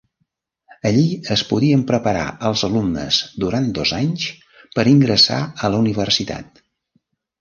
Allí es podien preparar els alumnes durant dos anys per ingressar a la universitat.